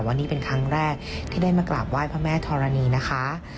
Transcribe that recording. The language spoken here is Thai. ว่านี่เป็นครั้งแรกที่ได้มากราบไหว้พระแม่ธรณีนะคะ